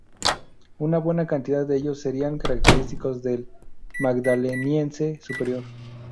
Una buena cantidad de ellos serían característicos del Magdaleniense Superior.